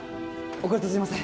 遅れてすみません